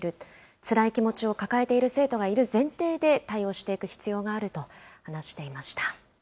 つらい気持ちを抱えている生徒がいる前提で、対応していく必要があると話していました。